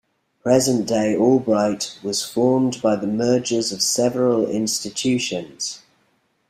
Present-day Albright was formed by the mergers of several institutions.